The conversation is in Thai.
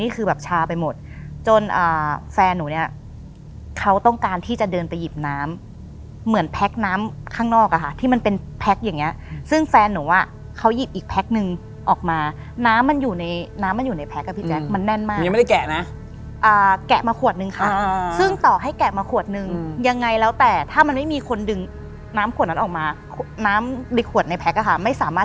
คือแบบชาไปหมดจนแฟนหนูเนี่ยเขาต้องการที่จะเดินไปหยิบน้ำเหมือนแพ็คน้ำข้างนอกอ่ะค่ะที่มันเป็นแพ็คอย่างเงี้ซึ่งแฟนหนูอ่ะเขาหยิบอีกแพ็คนึงออกมาน้ำมันอยู่ในน้ำมันอยู่ในแพ็คอ่ะพี่แจ๊คมันแน่นมากยังไม่ได้แกะนะแกะมาขวดนึงค่ะซึ่งต่อให้แกะมาขวดนึงยังไงแล้วแต่ถ้ามันไม่มีคนดึงน้ำขวดนั้นออกมาน้ำในขวดในแก๊กอะค่ะไม่สามารถ